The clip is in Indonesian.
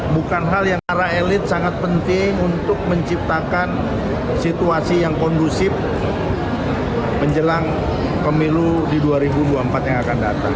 bukan hal yang para elit sangat penting untuk menciptakan situasi yang kondusif menjelang pemilu di dua ribu dua puluh empat yang akan datang